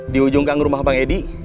di ujung gang rumah bang edi